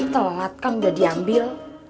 tolong kan udah diambil